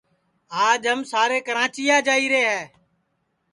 آج ہم سارے کراچیا جائیرے ہے